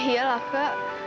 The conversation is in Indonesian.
ya iyalah kak